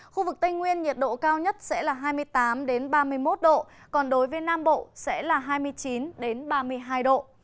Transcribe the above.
khu vực tây nguyên nhiệt độ cao nhất sẽ là hai mươi tám ba mươi một độ còn đối với nam bộ sẽ là hai mươi chín ba mươi hai độ